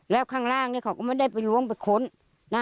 แล้วข้างร่างเค้าก็ไม่ได้ลวงไปขน